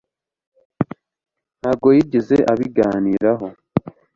ntabwo yigeze abiganiraho